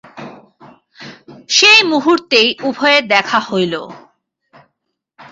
সেই মুহূর্তেই উভয়ের দেখা হইল।